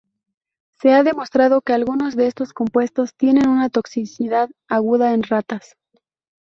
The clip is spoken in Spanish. Se ha demostrado que algunos de estos compuestos tienen una toxicidad aguda en ratas.